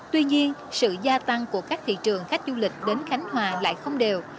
tuy nhiên sự gia tăng của các thị trường khách du lịch đến khánh hòa lại không đều